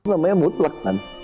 namanya mutlak kan